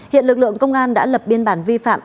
hiện lực lượng công an đã lập biên bản vi phạm